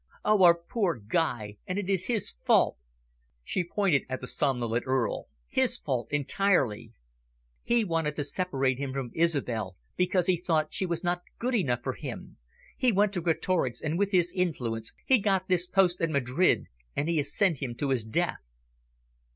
"Oh, our poor Guy. And it is his fault," she pointed at the somnolent Earl "his fault entirely. He wanted to separate him from Isobel, because he thought she was not good enough for him. He went to Greatorex, and with his influence he got this post at Madrid and he has sent him to his death."